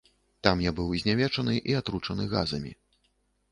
Там я быў знявечаны і атручаны газамі.